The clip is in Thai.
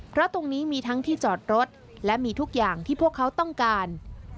เพราะตรงนี้มีทั้งที่จอดรถและมีทุกอย่างที่พวกเขาต้องการ